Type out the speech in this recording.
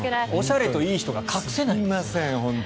おしゃれといい人が隠せない。